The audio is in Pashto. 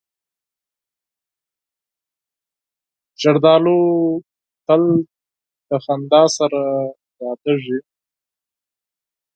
زردالو تل له خندا سره یادیږي.